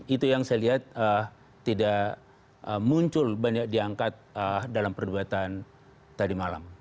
itu yang saya lihat tidak muncul banyak diangkat dalam perdebatan tadi malam